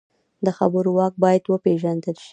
د خبرو واک باید وپېژندل شي